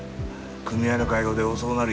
組合の会合で遅なる